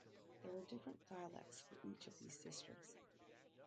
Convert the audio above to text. There were different dialects for each of these districts.